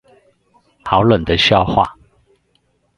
好冷的笑話